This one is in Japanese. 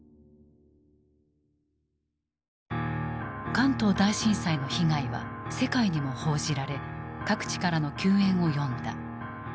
関東大震災の被害は世界にも報じられ各地からの救援を呼んだ。